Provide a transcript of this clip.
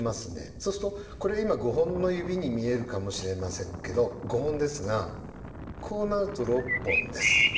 そうするとこれ今５本の指に見えるかもしれませんけど５本ですがこうなると６本です。